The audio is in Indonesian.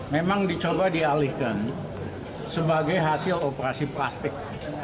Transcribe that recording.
memang dicoba dialihkan sebagai hasil operasi plastik